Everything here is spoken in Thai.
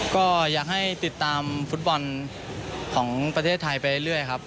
ก็อยากให้ติดตามฟุตบอลของประเทศไทยไปเรื่อยครับ